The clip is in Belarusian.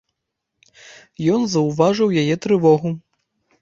Ён заўважыў яе трывогу.